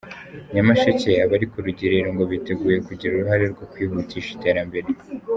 Nyamasheke Abari ku Rugerero ngo biteguye kugira uruhare mu kwihutisha iterambere